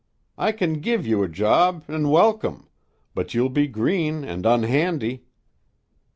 I can give you a job an' welcome, but you'll be green an' unhandy.